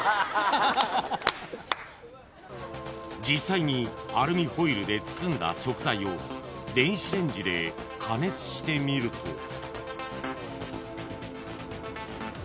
［実際にアルミホイルで包んだ食材を電子レンジで加熱してみると］